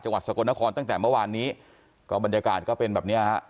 สกลนครตั้งแต่เมื่อวานนี้ก็บรรยากาศก็เป็นแบบเนี้ยฮะ